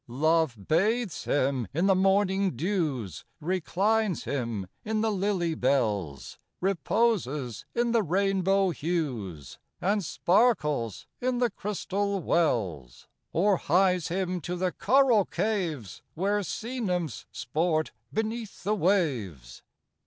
Love bathes him in the morning dews, Reclines him in the lily bells, Reposes in the rainbow hues, And sparkles in the crystal wells, Or hies him to the coral caves, Where sea nymphs sport beneath the waves.